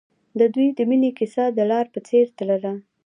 د دوی د مینې کیسه د لاره په څېر تلله.